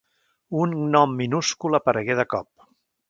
Un gnom minúscul aparegué de cop.